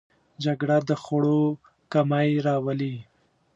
جګړه د خوړو کمی راولي